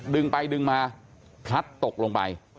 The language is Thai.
ดึงไปดึงมาพลัดตกลงไป